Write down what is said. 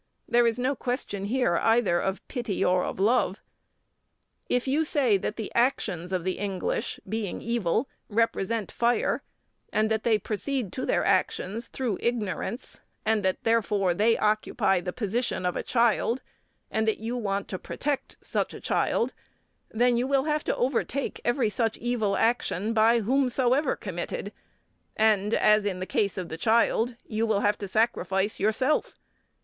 There is no question here either of pity or of love. If you say that the actions of the English, being evil, represent fire, and that they proceed to their actions through ignorance, and that, therefore, they occupy the position of a child, and that you want to protect such a child, then you will have to overtake every such evil action by whomsoever committed, and, as in the case of the child, you will have to sacrifice yourself.